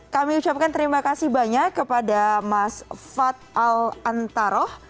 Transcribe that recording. kami ucapkan terima kasih banyak kepada mas wad alantaro